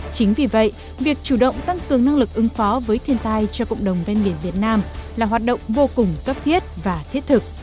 chính vì vậy việc chủ động tăng cường năng lực ứng phó với thiên tai cho cộng đồng ven biển việt nam là hoạt động vô cùng cấp thiết và thiết thực